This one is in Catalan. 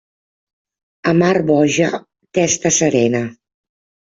A mar boja, testa serena.